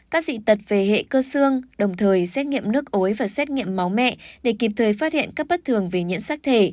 các dị tật về hệ cơ xương đồng thời xét nghiệm nước ối và xét nghiệm máu mẹ để kịp thời phát hiện các bất thường về nhiễm sắc thể